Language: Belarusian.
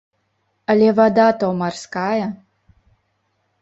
Але вада то марская!